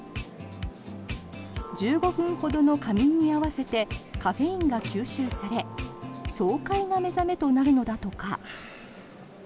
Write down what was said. １５分ほどの仮眠に合わせてカフェインが吸収され爽快な目覚めとなるのだとか。